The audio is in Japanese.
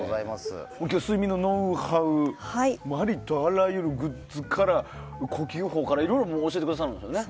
今日、睡眠のノウハウありとあらゆるグッズから呼吸法からいろいろ教えてくださるんですよね。